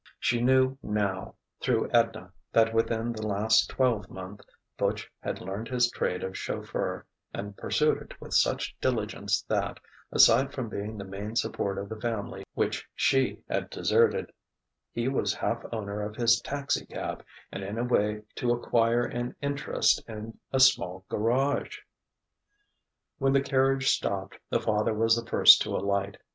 She knew now through Edna that within the last twelve month Butch had learned his trade of chauffeur and pursued it with such diligence that, aside from being the main support of the family which she had deserted, he was half owner of his taxicab and in a way to acquire an interest in a small garage.... When the carriage stopped, the father was the first to alight.